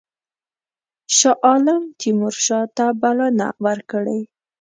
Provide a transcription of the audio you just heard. شاه عالم تیمورشاه ته بلنه ورکړې.